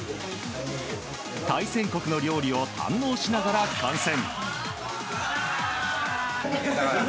対戦国の料理を堪能しながら観戦。